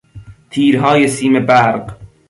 تیرهای سیم برق